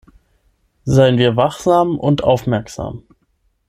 Seien wir wachsam und aufmerksam.